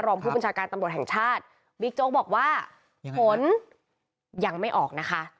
รองผู้บัญชาการตำรวจแห่งชาติบิ๊กโจ๊กบอกว่าผลยังไม่ออกนะคะ